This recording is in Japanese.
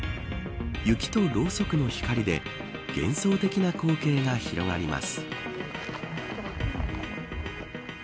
雪と、ろうそくの光で幻想的な光景が広がります。